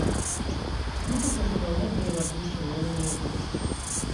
Смутак ужо даўно перарабіўся ў роўнае забыццё.